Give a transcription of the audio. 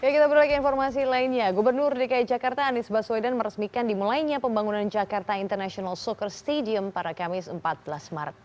kita berlaga informasi lainnya gubernur dki jakarta anies baswedan meresmikan dimulainya pembangunan jakarta international soccer stadium pada kamis empat belas maret